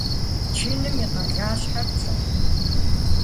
Чыным и къалащхьэр пщӏэрэ?